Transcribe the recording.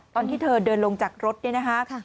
ตอนที่เธอเดินลงจากรถเนี่ยนะคะ